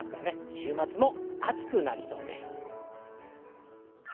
週末も暑くなりそうです。